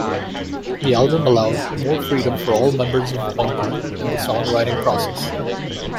The album allowed more freedom for all members of Bungle in the songwriting process.